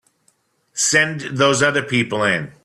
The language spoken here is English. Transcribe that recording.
Send those other people in.